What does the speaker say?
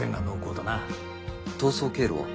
逃走経路は？